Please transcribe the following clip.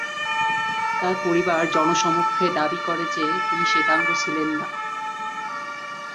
তার পরিবার জনসমক্ষে দাবী করে যে, তিনি শ্বেতাঙ্গ ছিলেন না।